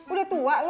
udah tua lo